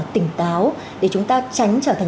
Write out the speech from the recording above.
tỉnh táo để chúng ta tránh trở thành